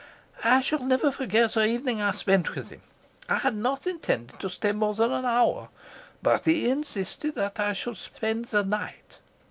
"I shall never forget the evening I spent with him. I had not intended to stay more than an hour, but he insisted that I should spend the night.